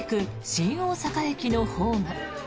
新大阪駅のホーム。